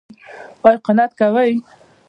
ایا قناعت کوئ؟